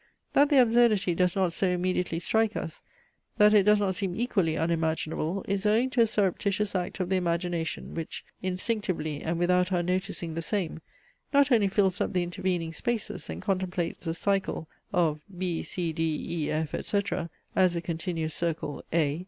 That the absurdity does not so immediately strike us, that it does not seem equally unimaginable, is owing to a surreptitious act of the imagination, which, instinctively and without our noticing the same, not only fills up the intervening spaces, and contemplates the cycle (of B. C. D. E. F. etc.) as a continuous circle (A.)